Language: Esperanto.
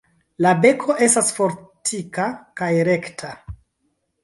La beko estas fortika kaj rekta.